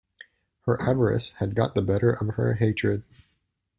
Her avarice had got the better of her hatred.